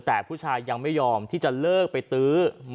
แต่ผู้ชายยังไม่ยอมที่จะเลิกไปตื้อ